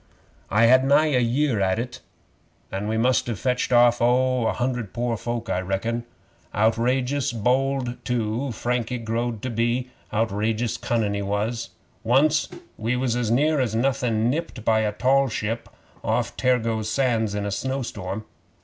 'I had nigh a year at it, an' we must have fetched off oh, a hundred pore folk, I reckon. Outrageous bold, too, Frankie growed to be. Outrageous cunnin' he was. Once we was as near as nothin' nipped by a tall ship off Tergoes Sands in a snowstorm.